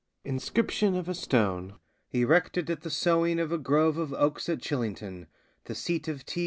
INSCRIPTION FOR A STONE ERECTED AT THE SOWING OF A GROVE OF OAKS AT CHILLINGTON, THE SEAT OF T.